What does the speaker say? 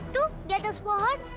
tuh diatas pohon